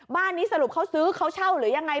บ้านนี้สรุปเขาซื้อเขาเช่าหรือยังไง